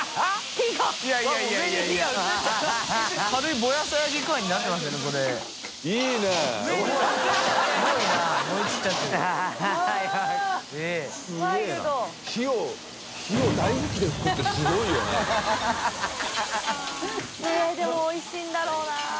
水卜）でもおいしいんだろうな。